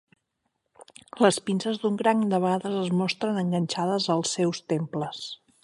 Les pinces d'un cranc de vegades es mostren enganxades als seus temples.